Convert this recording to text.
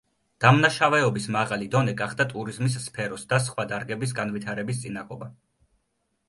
დამნაშავეობის მაღალი დონე გახდა ტურიზმის სფეროს და სხვა დარგების განვითარების წინაღობა.